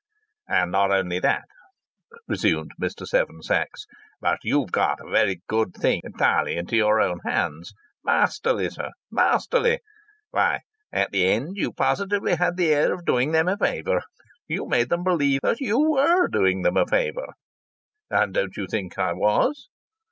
"And not only that," resumed Mr. Seven Sachs, "but you've got a very good thing entirely into your own hands! Masterly, sir! Masterly! Why, at the end you positively had the air of doing them a favour! You made them believe you were doing them a favour." "And don't you think I was?"